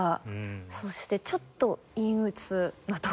そしてちょっと陰鬱なところ。